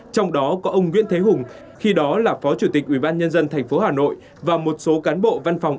trong đó có ông nguyễn thế hùng khi đó là phó chủ tịch ubnd tp hà nội và một số cán bộ văn phòng